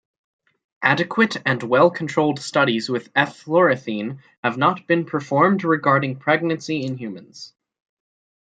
Adequate and well-controlled studies with eflornithine have not been performed regarding pregnancy in humans.